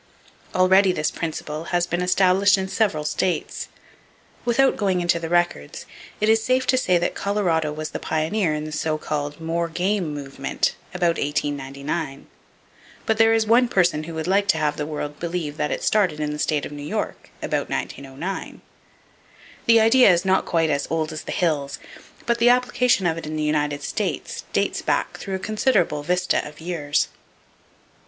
Already this principle has been established in several states. Without going into the records, it is safe to say that Colorado was the pioneer in the so called "more game" movement, about 1899; but there is one person who would like to have the world believe that it started in the state of New York, about 1909. The idea is not quite as "old as the hills," but the application of it in the United States dates back through a considerable vista of years.